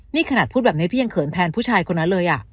นี่ขนาดพูดแบบนี้พี่ยังเขินแทนผู้ชายคนนั้นเลย